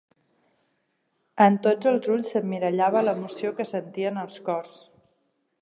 En tots els ulls s'emmirallava l'emoció que sentien els cors!